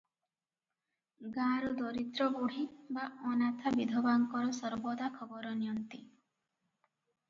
ଗାଁର ଦରିଦ୍ର ବୁଢ଼ୀ ବା ଅନାଥା ବିଧବାଙ୍କର ସର୍ବଦା ଖବର ନିଅନ୍ତି ।